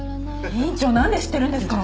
院長なんで知ってるんですか？